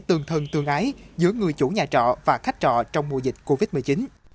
tương thân tương ái giữa người chủ nhà trọ và khách trọ trong mùa dịch covid một mươi chín